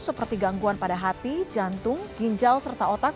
seperti gangguan pada hati jantung ginjal serta otak